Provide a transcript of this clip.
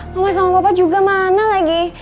mau mas sama bapak juga mana lagi